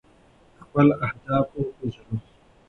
خپل اهداف وپیژنو.